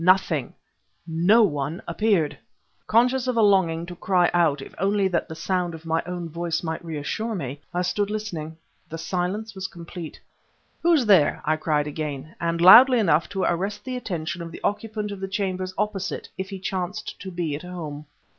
Nothing, no one, appeared! Conscious of a longing to cry out if only that the sound of my own voice might reassure me I stood listening. The silence was complete. "Who's there?" I cried again, and loudly enough to arrest the attention of the occupant of the chambers opposite if he chanced to be at home.